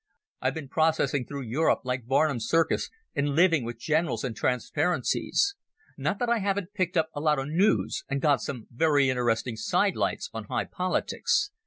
I've been processing through Europe like Barnum's Circus, and living with generals and transparencies. Not that I haven't picked up a lot of noos, and got some very interesting sidelights on high politics.